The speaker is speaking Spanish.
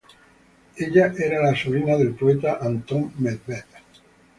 Ella era la sobrina del poeta Antón Medved.